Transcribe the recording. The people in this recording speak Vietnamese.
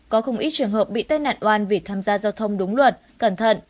có không ít trường hợp bị tai nạn oan vì tham gia giao thông đúng luật cẩn thận